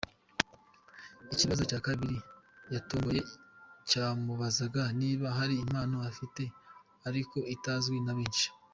Ikibazo cya kabiri yatomboye cyamubazaga niba hari impano afite ariko itazwi na benshi.